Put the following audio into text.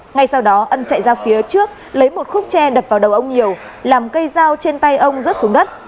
ngay sau đó ân chạy ra phía trước lấy một khúc tre đập vào đầu ông nhiều làm cây dao trên tay ông rớt xuống đất